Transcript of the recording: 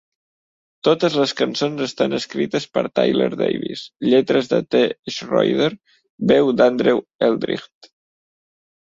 Totes les cançons estan escrites per Tyler Davis, lletres de T. Schroeder, veu d'Andrew Eldritch.